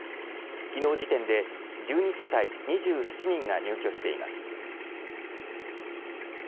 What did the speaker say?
きのう時点で１２世帯２７人が入居しています。